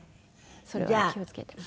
それは気を付けてます。